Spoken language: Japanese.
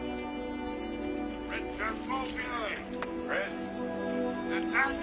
はい。